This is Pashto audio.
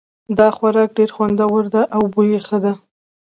دا خوراک ډېر خوندور ده او بوی یې ښه ده